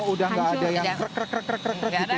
oh udah gak ada yang krek krek krek krek gitu ya